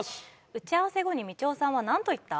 打ち合わせ後にみちおさんはなんと言った？